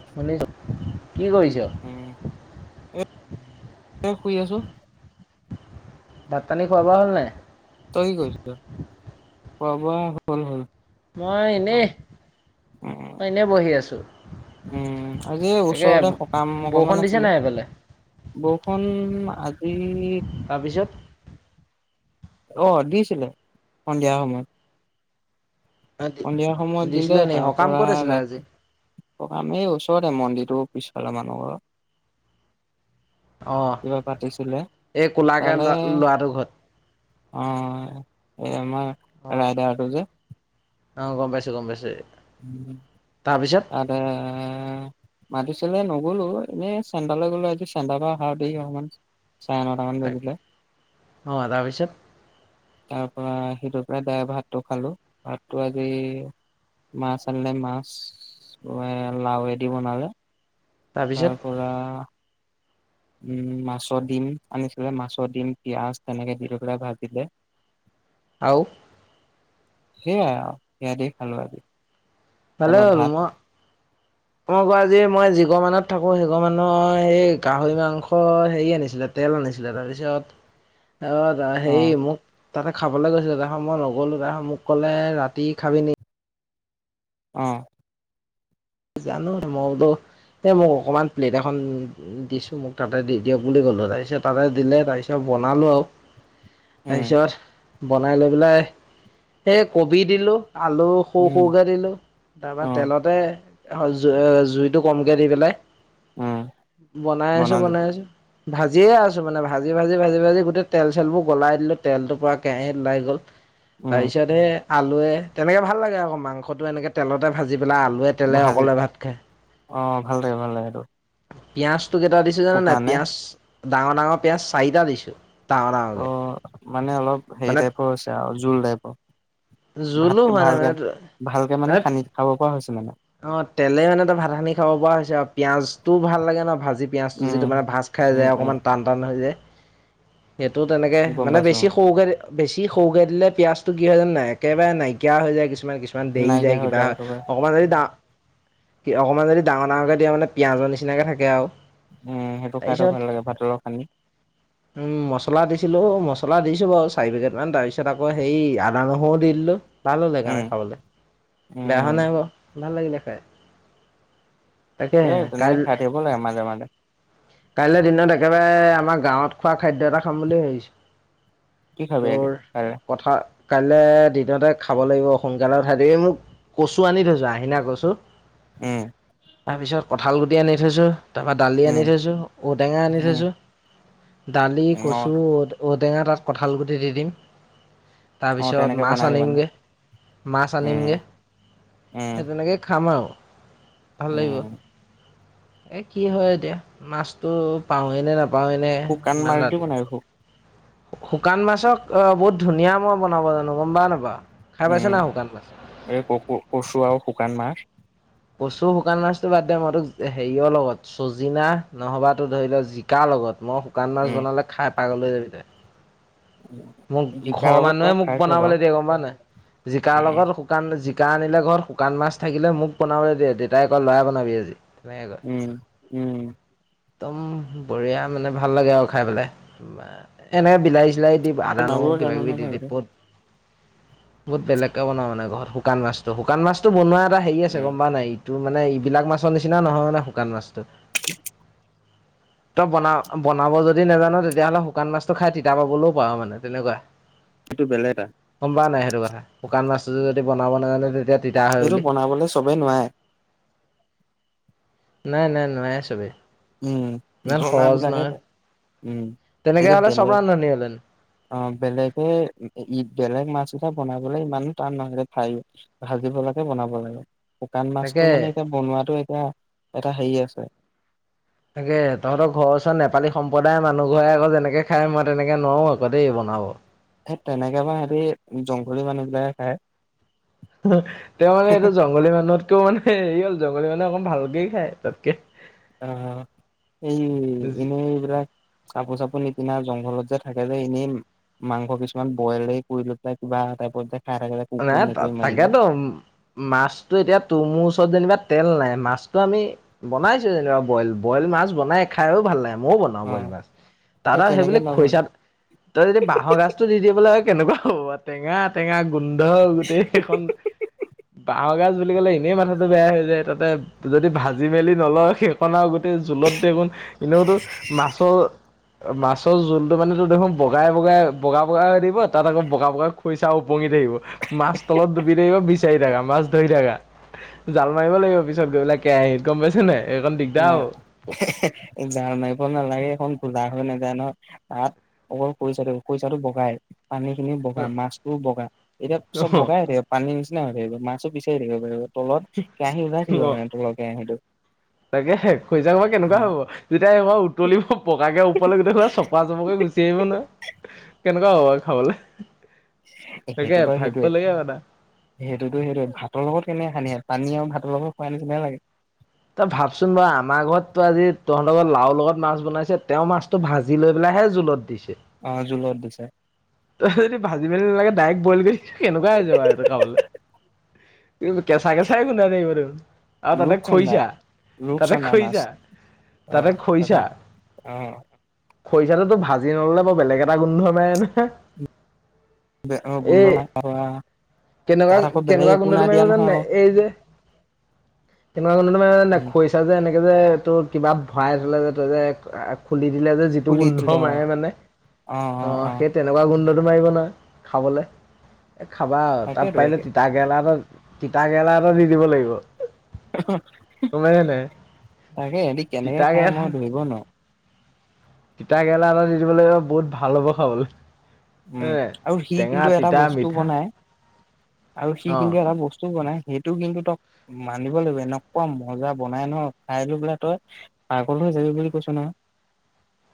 [unintelligible] কি কৰিছ? উম, এ এ শুই আছো। ভাত পানী খোৱা বোৱা হ'ল নাই? তই কি কৰিছ? খোৱা বোৱা হ'ল হ'ল। মই এনেই উম। মই এনেই বহি আছোঁ। উম, আজি তাকে ওচৰতে সকাম বৰষুণ অকমান দিছে আছিলে। নাই সেইফালে বৰষুণ আজি তাৰপিছত? অ', দিছিলে সন্ধিয়া সময়ত। সন্ধিয়া সময়ত দিলে দিছিলে নি তাৰ সকাম পৰা ক'ত আছিলে আজি ৰাতি আমি ওচৰতে মন্দিৰটো পিছফালে মানুহ ঘৰত। অঁ কিবা পাতিছিলে এই ক'লাকে তালে ল'ৰা অ', ল'ৰাটোৰ ঘৰত এই আমাৰ ৰায়দাৰটো যে। অ', গম পাইছো গম পাইছো। উম, তাতে মাতিছিলে নগলো এনে চেন্টালৈ গলো আজি চেন্টা পৰা আহাও দেৰি অকমান। চাৰে ন তা মান বাজিলে। অঁ তাৰপিছত তাৰ পৰা সিহঁতৰ পৰা দাৰেক্ত ভাতটো খালো। ভাতটো আজি মাছ আনিলে মাছ লাওৱেদি বনালে। তাৰপিছত তাৰ পৰা উম, মাছ দিম আনিছিলে মাছ দিম পিয়াজ তেনেকে দি পিলে ভাজিলে। [unintelligible] আও সেয়াই আৰু সেয়া দি খালো আজি। ভলে তাৰপা হ'ল ভাত মই মই আকৌ আজি মই যিঘৰ মানুহত থাকো, সেঘৰ মানুহৰ সেই গাহৰি মাংস হেৰি আনিছিলে তেল আনি ছিলে। তাৰপিছত অ', তা হেয়ি মোক তাতে খাবলৈ গৈছিলোঁ [unintelligible] মই নগ'লো, মোক ক'লে ৰাতি খাবি নি অ'। জানো আৰু ম, বোলো এ, মোক অকনমান প্লেট এখন দিছোঁ, মোক তাতে দি দিয়ক বুলি কলোঁ তাৰপিছত তাতে দিলে তাৰপিছত বনালোঁ আৰু। উম তাৰপিছত বনাই লৈ পেলাই, এই কবি দিলোঁ। আলু সৰু, উম সৰুকে দিলোঁ, তাৰপা অ তেলতে জ-জুইটো কমকে দি পেলাই, উম বনাই আছোঁ, বনালো বনাই আছোঁ ভাজিয়ে আছোঁ, মানে ভাজি, ভাজি, ভাজি, ভাজি গোটেই তেল চেলবোৰ গলাই দিলোঁ, তেলটো পৰা কেৰাহী ওলাই গ'ল। উম তাৰপিছত এই আলুৱে তেনেকে ভাল লাগে আকৌ মাংসটো এনেকে তেলতে ভাজি পেলাই আলু ভাজি অ', ভাল লাগে, ভাল লাগে এইটো পিয়াজঁটো কেইটা দিছোঁ জাননে নাই? শুকানে পিয়াঁজ ডাঙৰ, ডাঙৰ পিঁয়াজ চাৰিটা দিছোঁ? অ [unintelligible] মানে অলপ হেৰি মানে টাইপৰ আছে আৰু, জোল টাইপৰ। জোলো হোৱা নাই মানে ভাত-ভালকে, ভালকে মানে সানি খাব পৰা হৈছে মানে অ', তেলেই মানে ভাত সানি খাব পৰা হৈছে আৰু। পিঁয়াজটো ভাল লাগে ন! ভাজি পিঁয়াজটো উম যিটো মানে ভাজ খাই উম, যায় উম, অকণমান টান, টান হৈ যায়। সেইটো তেনেকে গম মানে পাইছো বেছি অ', সৰুকে, বেছি সৰুকে দিলে পিঁয়াজটো কি হয়, জাননে নাই? একেবাৰে নাইকিয়া হৈ যায় কিছুমান, কিছুমান দেয়ি নাইকিয়া যায়, হৈ কিবা হয়, একেবাৰে অকণমান যদি ডা কি অকমান যদি ডাঙৰ, ডাঙৰকে দিয় মানে পিঁয়াজৰ নিচিনাকে থাকে আৰু। উম, সেইটো খাইতো তাৰপিছত ভাল লাগে ভাতৰ লগত সানি। উম, মচলা দিছ ছিলো, মচলা দিছোঁ বাৰু চাৰি পেকেট মান তাৰ পিছত আকৌ সেই আদা, নহৰুও দি দিলোঁ। ভাল হ'ল সেইকাৰণে উম, খাবলৈ বেয়া হোৱা উম, নাই বাৰু ভাল লাগিলে খাই। তাকে এ তেনেকে কাইল খাই থাকিব লাগে মাজে মাজে। কাইলৈ দিনত একেবাৰে আমাৰ গাঁৱত খোৱা খাদ্য এটা খাম বুলি কি ভাবিছোঁ। খাবি আজি তোৰ কাইলে? পাথৰ কাইলে দিনতে খাব লাগিব সোনকালে উঠাই দিব এই মোক কচু আনি থৈছো আহিনা কচু। উম। তাৰপিছত কঁঠাল গুটি আনি থৈছোঁ, তাৰপৰা দালি উম, আনি থৈছোঁ ঔটেঙা আনি উম, থৈছোঁ। দালি, উম অ', কচু, ঔ-ঔটেঙা তাত কঁঠালগুটি দি দিম। অ', তাৰপিছত তেনেকে মাছ বনাবি মানে আনিমগে, মাছ উম, আনিমগে। উম, সেই তেনেকে খাম আও। উম। এই কি হয় এতিয়া মাছটো পাওঁৱেই নে নাপাওঁৱেই নে শুকান ইমান মাছ দি ৰাতি। বনাবি শু শুকান মাছক অহ, বহুত ধুনীয়া মই বনাব জানো গম পা নাপা? উম, এই ক'ক কচু আৰু শুকান মাছ। কচু শুকান মাছটো বাদ দে মই তোক হেৰিয় লগত, চজিনা নহ'বাটো ধৰি লওঁ জিকাৰ লগত। মই শুকান মাছ উম। বনালে খাই পাগল হৈ যাবি তই। মোক জিকাৰ ঘৰৰ লগত মানুহে বাৰু মোক খাইছো বাৰু বনাবলৈ দিয়ে গম পা নাই জিকাৰ উম, লগত শুকান জি কা আনে ঘৰত শুকান মাছ থাকিলে মোক বনাব দিয়ে দেউতাই কয় ল'ৰাই বনাবি আজি। তেনেকে কয় উম, উম। একদম বঢ়িয়া মানে ভাল লাগে আৰু খাই পেলাই, এনেকে বিলাহী চিলাহী দি তই আদা বনাবও নহৰু কিবা জানো কিবি নহয় দি ভালকে টিপত বহুত বেলেগকে বনাও মানে ঘৰত শুকান মাছটো শুকান মাছটো বনোৱা এটা হেৰি উম, গম পা নাই এইটো মানে এইবিলাক মাছৰ নিচিনা নহয় মানে শুকান মাছটো। [inaudible] তই বনা বনাব যদি নেজান তেতিয়াহ'লে শুকান মাছটো খাই তিতা পাবলৈও পাও মানে তেনেকুৱা সেইটো বেলেগ এটা কা নাই সেইটো কথা শুকান মাছটো যদি বনাব নাজানে তেতিয়া তিতা হয় এইটো বুলি। বনাবলে চবেই নোৱাই নাই নাই নোৱাই চবেই। উম ইমান সহজ জনাবিলাকে নহয় পায়, উম তেনেকে এইটো হ'লে চব বেলেগ ৰান্ধনী হ'লেন অঁ বেলেগে বেলেগ মাছ বনাবলে ইমানো টান নালাগে ভাই ভাজিব লাগে বনাব লাগে। শুকান মাছটো তাকে। মানে এতিয়া বনোৱাটো এতিয়া এটা হেৰি আছে। তাকে তহঁতৰ ঘৰৰ ওচৰত নেপালী সম্প্ৰদায়ৰ মানুহ ঘৰে আকৌ যেনেকে খাই মই তেনেকে নোৱাৰো আকৌ দেই বনাব। সেই তেনেকে বা সিহঁতি জংঘলী মানুহবিলাকে খায়। তেওঁ মানে এইটো জংঘলী মানুহতকেও মানে হেৰি হ'ল জংঘলী মানুহে অকণ ভালকে খায় তাতকে অঁ এই এইবিলাক কাপোৰ চাপোৰ নিপিনা জংঘলত যে থাকে যে এনেই মাংস কিছুমান বইল কৰি লৈ পেলাই কিবা বা তাইপত নাই তা তাকেতো মাছটো এতিয়া তোৰ মোৰ ওচৰত যেনিবা তেল নাই মাছতটো আমি বনাইছো যেনিবা বইল বইল মাছ বনাই খাইয়ো ভাল লাগে। মইও বনাও অ বইল মাছ তাত আৰু সেই তেনেকে বুলি নব খৰিচা টো যদি বাঁহৰ গাছ টো দিয় বোলে কেনেকুৱা হ'ব টেঙা টেঙা গোন্ধ গোটেই এখন বাঁহৰ গাজ বুলি ক'লে এনেই মাথাটো বেয়া হৈ যায় তাতে যদি ভাজি মেলি নলয় সেইখন আও আৰু গোট জোলত দেয়োন এনেওতো মাছৰ মাছৰ জোলতটো মানে ত দেখোন বগাই বগাই বগা বগাই হৈ দিব তাত আকৌ বগা বগাই খৰিচা উপঙি থাকিব মাছ তলত ডুপি থাকিব চাৰি থকা মাছ ধৰি থাকা জাল মাৰিব লাগিব পিছত গৈ পেলা কেৰাহীত গম পাইছ নাই? এইকণ দিগদাৰ না, হ'ব জাল মাৰিব নালাগে এইখন ধোলা হৈ নাযায় নহয় তাত অকল খৰিচাটো খৰিচাটো বগাই পানীখিনিও বগা মাছটো বগা এতিয়া চব বগাই হৈ থাকিব পানী নিচিনা হৈ থাকিব মাছ বিচাৰি থাকিব পাৰিব তলত কেৰাহী ওলাই থাকিব মানে তলৰ কেৰাহীটো তাকেহে খৰিচাখোপা কেনেকুৱা হব যেতিয়া এবা উতলিব পকাকে ওপৰলৈ গোটেখোৱা চপা চপকে গুচি আহিব নহয় [inaudible] কেনেকুৱা হ'ব বাৰু খাবলে? তাকে সেইটো বাৰু ভাবিব সেইটোৱে, লগীয়া কথা সেইটোতো সেইটোৱে ভাতৰ লগত কেনেক সানি পানী আৰু ভাতৰ লগত খুৱাই নিছিনা লাগে। তই ভাবচোন বাও আমাৰ ঘৰত টো আজি তহঁতৰ লাওৰ লগত মাছ বনাইছে তেওঁ মাছটো ভাজি লৈ পেলাই হে জুলত দিছে। অঁ জুলত দিছে। তই যদি ভাজি মেলি নালাগে ডাইৰেক্ট বইল কৰিছ কেনেকুৱা হৈছে বাও এইটো খাবলে। কেঁচা কেঁচাই গুন্ধাই থাকিব দ্খোন আৰু তাতে ৰূপচন্দা খৰিচা তাতে ৰূপচন্দা মাছ খৰিচা অ তাতে ত খৰিচা অ খৰিচাটোতো ভাজি নললে বৰ বেলেগ এটা গোন্ধ মাই নহয় এই [unintelligible] কেনেকুৱা, তাত আকৌ বেলেগ কেনেকুৱা একো গোন্ধটো নাই মাৰিব দিয়া নহয় জাননে আকৌ এই যে কেনেকুৱা গোন্ধটো মাৰিব জাননে নাই, উম খৰিচা যে এনেকে ত যে তোৰ কিবাত ভৰাই থলে যে তই যে খুলি দিলে যে যিটো পুলিত গোন্ধ দিলে অ মাৰে মানে অ সেইটে গোন্ধটো মাৰিব নহয় খাবলে, এ খাবা আও তাত তাকেইতো পাৰিলে তিতা কেৰেলা তিতা কেেৰেলা এটা দি দিব লাগিব গম পাইছা নাই? তাকে সিহতি কেনেকে তিতা খাই কেৰেলা মই ধৰিব ন তিতা কেৰেলা এটা দি দিবলৈ বহুত ভাল হ'ব খাবলৈ উম এ আৰু সি টেঙা কিন্তু এটা তিতা বস্তু মিঠা বনাই আৰু স অ' কিন্তু এটা বস্তুও বনাই সেইটো কিন্তু তই মানিব লাগিব এনেকুৱা মজা বনাই ন খাই লো বোলে তই পাগল বুলি কৈছ না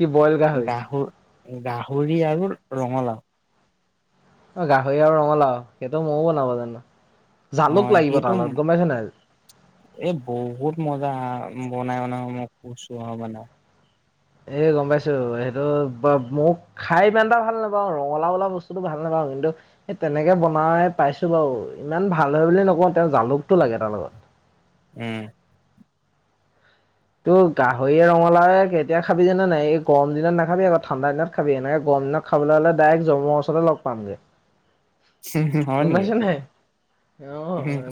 কি বইল গাহৰি গাহৰি আৰু ৰঙালাও অ গাহৰি আৰু ৰঙালাও সেইটো ময়ও বনাব জানো জালুক হয় লাগিব তাৰ সেইটো লগত গম পাইছা নাই? এ বহুত মজা বনাই বনা মই কছো বনাই এ গম পাইছো সেইটো মোক খাই ইমান এটা ভাল নাপাওঁ ৰঙালা ওলা বস্তুতো ভাল নাপাওঁ কিন্তু সেই তেনেকে বনাই পাইছো বাৰু ইমান ভাল হয় বুলি নকওঁ তেওঁ জালুকটো লাগে তাৰ লগত উম ত' গাহৰি ৰঙালা কেতিয়া খাবি জানে নাই এই গৰম দিনত নাখাবি আকৌ ঠাণ্ডা দিনত খাবি এনেকে গৰ কম্য খাবলৈ হ'লে ডাইৰেক্ট জমৰ ওচৰতে লগ পামগে হয় গম পাইছ নেক নাই অ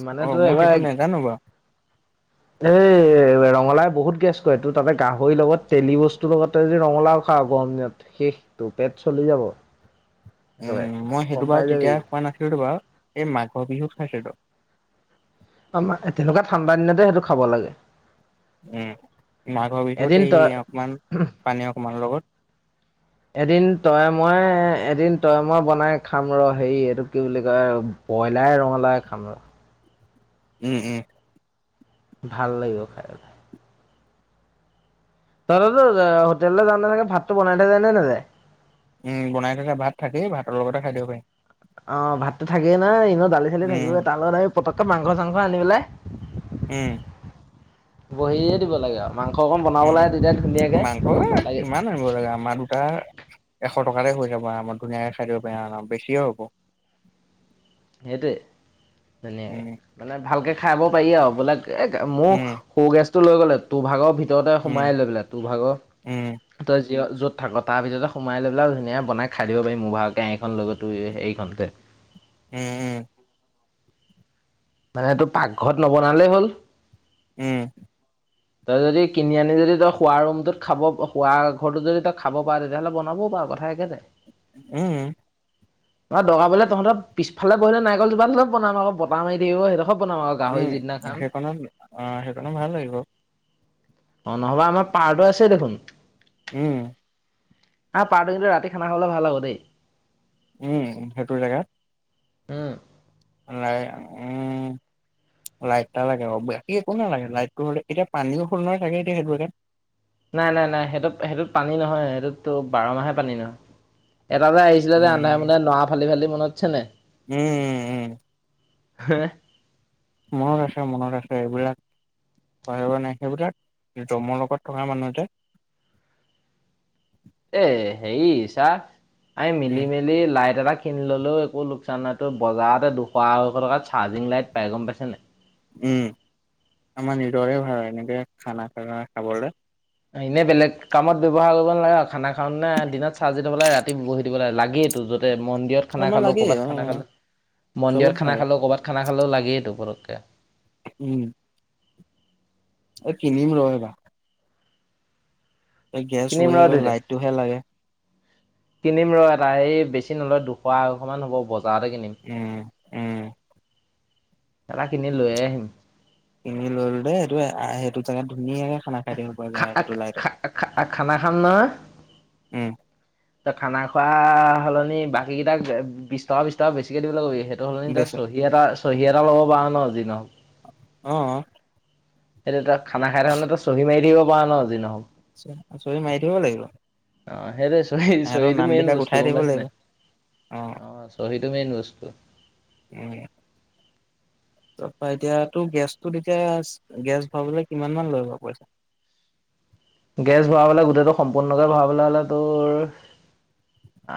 মানে তো এবাৰ সেইটো নাজানো বাৰু এই ৰঙালা বহুত গেছ কৰে এইটো তাতে গাহৰি লগত তেলি বস্তুৰ লগতে যদি ৰঙালাও খাওঁ গৰম দিনত শেষটো পেট চলি যাব একেবাৰে উম মই গম সেইটো পাই বাৰু যাবি তেতিয়া খোৱা নাছিলোতো বাৰু এই মাঘৰ বিহুক খাইছিলোতো আম তেনেকুৱা ঠাণ্ডা দিনতে সেইটো খাব লাগে উম মাঘৰ বিহুত এদিন এই তই অকমান পানী অকমান লগত এদিন তই মই এদিন তয়মৰ বনাই খাম ৰ হেৰি এইটো কি বুলি কয় ব্ৰইলাৰ ৰঙলাই খাম ৰ উম উম ভাল লাগিব খায় দাদো হোটেললে যামওঁ তেনেকে ভাতটো বনাই থে য নে নাযায় উম বনাই থকা ভাত থাকেই ভাতৰ লগতে খাই দিব পাৰিম অ ভাতো থাকেই নাই এনেও দালি চালি উম থাকিবই তাৰ লগত আি পতককৈ মাংস চাংস আনি পেলাই উম বহে দিব লাগে আৰু মাংস অকণ বনাবলৈে উম তেতিয়া ধুনীয়াকেে মাংস কিমান আনিব লাগে আমাৰ দুটা এশ টকাতে হৈ যাব আমাৰ ধুনীয়াকে খাই দিব পাৰে আৰু বেছিয়ে হ'ব সেইটোৱেই ধুনীয়াকৈ উম মানে ভালকে খাব পাৰি আৰু বোলে এ মোৰ উম সু গেছ টো লৈ গ'লে তোৰ ভাগৰ ভিতৰত তঁতে সোমাই উম লৈ পেললে তোৰ ভাগৰ উম তই যি য'ত থাক তাৰ ভিছতে সোমাই লৈ পেলাই ধুনীয়া বনাই খাই দিব পাৰিম মোৰ ভালকে আখন লগতো হেৰিখনতে উম উম মানেটো পাকঘৰত নবনালেই হ'ল উম তই যদি কিনি আনি যদি তই খোৱা ৰুমটোত খাব শুৱ ঘৰটোত যদি তই খাব পাৰ তেতিয়াহ'লে বনাব পাৰি অ কথা একে নাই উম ম দগাবলে তহঁতৰ পিছফালে বহিলে নিকল জোাত বনাম আকৌ বত মাৰ থাকিব সিহঁক উম সেইখনত অ সেইখনো ভাল লাগিব অ নহবা আমাৰ পাৰটো আছে দেখোন উম আহ পাৰটো কিন্তু ৰাতি খানা খাবলে ভাল হ'ব দেই উম সেইটোৰ জেগাত উম ম উম [unintelligible] [unintelligible] লাইট এটা লাগে বাকী একো নালাগে লাইটটো হ'লে এতিয়া পানীও হল নহয় ছাগে সেইতো জাগাত নাই নাই নাই সেইটোত সেইটোত পানী নহয় সেইটোতো বাৰ মাহে পানী নহয়। এটা যে আহিছিলে যে ৰান্ধাই মুন্ধৰে নৰা ফালি ফালি মনত আছেনে নাই উম উম উম হে। মনত আছে মনত আছে এইবিলাক [unintelligible] সেইবিলাক যমৰ লগত থকা মানুহ যে এ হেৰি চা আমি মিলি মেলি লাইট এটা কিনি ললেও একো লোকচান নাই তো বজাৰতে দুশ আঢৈশ টকা চাৰ্জিং লাইট পাই গম পাইছ নাই উম আমাৰ নিজৰে ভাল হয় এনেকে খানা খানা খাবলৈ এনে বেলেগ কামত ব্যৱহাৰ কৰিব নালাগে আৰু খানা খাও তেনে দিনত চাৰ্জি থব লাগ ৰাতি বহি দিব লে লাগে এইোটো য'ত মন্দিৰত খানা আমাৰ খালোও লাগেই অ ক'ৰবাত খানা খালে চবত মন্দিৰত খানা লাগে খালো ক'ৰবাত খানা খালেও লাগেইটো পতকে। কে। উম। এই কিনিম ৰহ এটা। গেছ কিনিম ৰ উলাই গ'ল দুইটা লাইটটোহে লাগে কিনিম ৰহ এটা হেই বেছি নলয় দুশ আঢ়ৈশ মান হ'ব বজাৰতে কিনিম। উম উম। এটা কিনি লৈয়ে আহিম। কিনি ললো দেই, এইটো আহ সেইটো জেগাত ধুনীয়াকে খানা খাই দিব পৰা যায় সেইটো লাইটত খানা খাম উম নহয়। খানা খোৱা [unintelligible] এই বাকী কেইটাক বিশ টকা, বিশ টকা বেছিকে দিবলে কবি। সেইটো সলনি তই বেছ চহী এটা চহী এটা ল'ব পাৰ ন যি নহওক। আহ। সেইটো খানা খাই থাকোঁতে, তই চহী মাৰি দিব পাৰ ন যি নহওক। চহী মাৰি দিব লাগিব। অ' সেইটোৱে। ইহঁতৰ চহীটো নাম মেইন বিলাক বস্তু, উঠাই গম দিব লাগিব পাইছেনে? অ চহীটো মেইন বস্তু। উম। তাৰপা এতিয়া তো' গেছটোত এতিয়া গেছ ভৰাবলৈ কিমান মান লৈ বাৰু পইচা? [inaudible] গেছ ভৰাবলে গোটেইটো সম্পূৰ্ণকে ভৰাবলে হ'লে তোৰ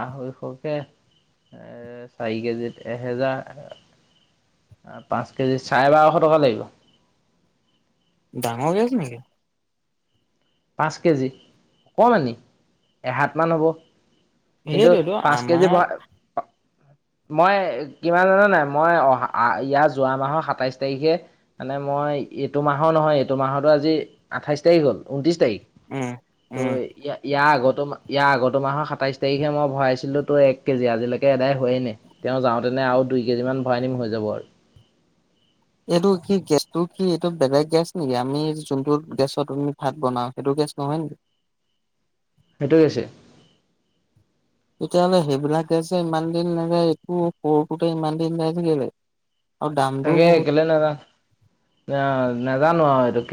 আঢ়ৈশকে এ চাৰি কেজিত এহেজাৰ। পাঁচ কেজি, চাৰে বাৰশ টকা লাগিব। ডাঙৰ গেছ নেকি? পাঁচ কেজি, অকমানি এহাতমান হ'ব। কিন্তু সেইটোৱেইটো পাঁচ কেজি আমাৰ, ভৰা মই কিমান জান নাই? মই অহা ইয়াৰ যোৱা মাহৰ সাতাইশ তাৰিখে মানে মই এইটো মাহৰ নহয়, এইটো মাহতো আজি আঠাইছ তাৰিখ হল। উন্ত্ৰিছ তাৰিখ, উম, উম। ইয়াৰ আগতো ইয়াৰ আগতো মাহৰ সাতাইশ। তাৰিখে মই ভৰাইছিলো তো এক কেজি আজিলৈকে এদাই হোৱাই নাই তেওঁ যাওঁতেনে আৰু দুই কেজি মান ভৰাই নিম হৈ যাব। [inaudible] [inaudible] এইটো কি গেছটো কি এইটো বেলেগ গেছ নেকি আমি যোনটো গেছত ভাত বনাও সেইটো গেছ নহয় নি হেইটো গেছেই তেতিয়াহ'লে সেইবিলাক গেছে ইমান দিন নাযায় একটো সৰুকোতে ইমান দিন গজ গিলে। তাকে একলে নাজান অ', নাজানো আৰু এইটো